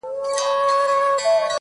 سم ليونى سوم.